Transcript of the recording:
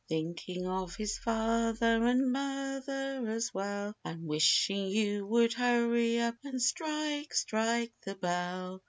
Thinking of his father, and mother as well, And wishing you would hurry up, and strike, strike the bell!